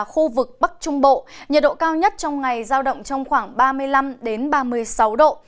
khu vực bắc trung bộ nhiệt độ cao nhất trong ngày giao động trong khoảng ba mươi năm ba mươi sáu độ